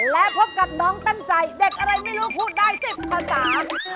และพบกับน้องตั้งใจเด็กอะไรไม่รู้พูดได้สิคุณภาษา